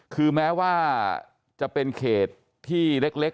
คือแม้ว่าจะเป็นเขตที่เล็ก